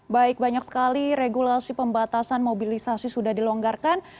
baik banyak sekali regulasi pembatasan mobilisasi sudah dilonggarkan